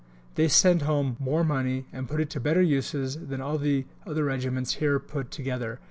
They send home more money and put it to better uses than all the other Regiments here put together.